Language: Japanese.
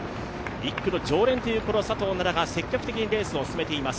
１区の常連という佐藤奈々が積極的にレースを進めています。